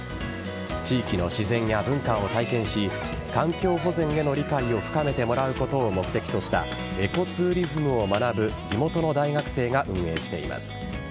地域の自然や文化を体験し環境保全への理解を深めてもらうことを目的としたエコツーリズムを学ぶ地元の大学生が運営しています。